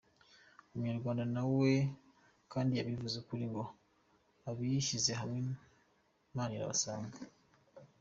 Umunyarwanda nawe kandi yabivuze ukuri ngo “abishyize hamwe Imana irabasanga”.